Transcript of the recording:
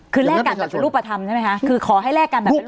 คือแรกกันแบบรูปธรรมใช่ไหมคะคือขอให้แรกกันแบบรูปธรรม